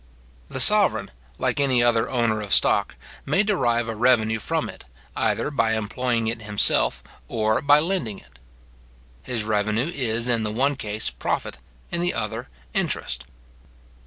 The sovereign, like, any other owner of stock, may derive a revenue from it, either by employing it himself, or by lending it. His revenue is, in the one case, profit, in the other interest.